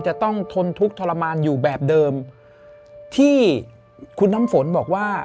จะต้องทนทุกข์ทรมานอยู่แบบเดิมที่คุณน้ำฝนบอกว่า